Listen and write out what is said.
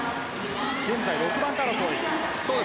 現在、６番手争い。